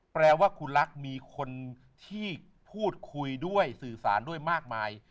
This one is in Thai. แปลว่าคุณรักมีคนที่พูดคุยด้วยสื่อสารด้วยมากมาย